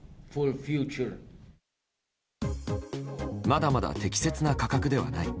まだまだ適切な価格ではない。